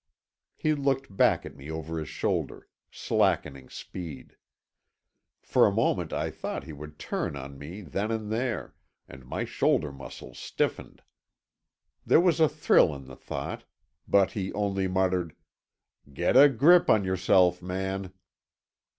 He looked back at me over his shoulder, slackening speed. For a moment I thought he would turn on me then and there, and my shoulder muscles stiffened. There was a thrill in the thought. But he only muttered: "Get a grip on yourself, man."